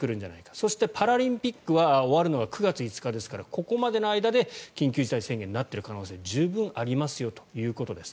そして、パラリンピックが終わるのは９月５日ですからここまでの間で緊急事態宣言になっている可能性十分ありますよということです。